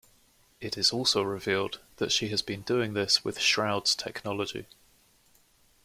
It is also revealed that she has been doing this with Shroud's technology.